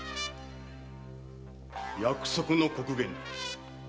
約束の刻限だ。